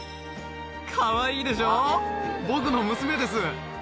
かわいいでしょ、僕の娘です。